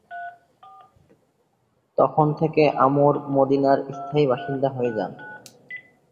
তখন থেকে আমর মদীনার স্থায়ী বাসিন্দা হয়ে যান।